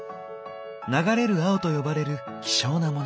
「流れる青」と呼ばれる希少なモノ。